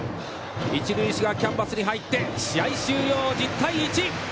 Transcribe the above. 一塁手がキャンバスに入って試合終了１０対１。